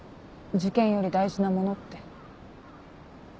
受験より大事なものって。